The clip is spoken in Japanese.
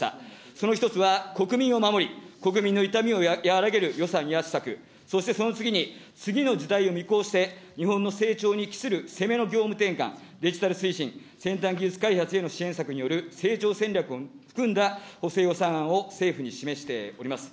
その１つは、国民を守り、国民の痛みを和らげる予算や施策、そしてその次に、次の時代を見越して、日本の成長にきする攻めの業務転換、デジタル推進、先端技術開発への支援策による成長戦略を含んだ補正予算案を政府に示しております。